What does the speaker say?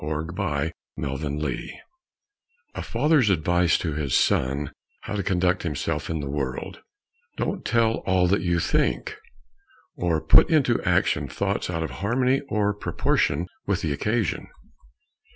POLONIUS'S ADVICE TO LAERTES A father's advice to his son how to conduct himself in the world: Don't tell all you think, or put into action thoughts out of harmony or proportion with the occasion.